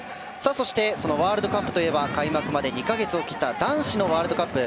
そして、ワールドカップといえば開幕まで２か月を切った男子のワールドカップ。